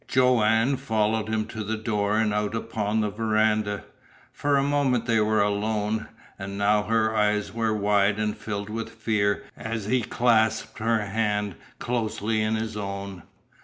Joanne followed him to the door and out upon the veranda. For a moment they were alone, and now her eyes were wide and filled with fear as he clasped her hands closely in his own.